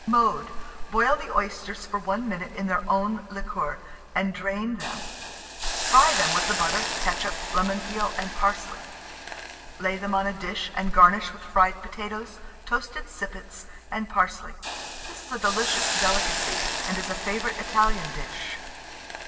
Mode. Boil the oysters for 1 minute in their own liquor, and drain them; fry them with the butter, ketchup, lemon peel, and parsley; lay them on a dish, and garnish with fried potatoes, toasted sippets, and parsley. This is a delicious delicacy, and is a favourite Italian dish.